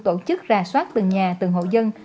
tổ chức ra soát từng nhà từng hộ dân